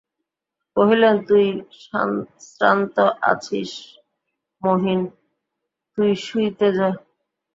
কহিলেন, তুই শ্রান্ত আছিস মহিন, তুই শুইতে যা।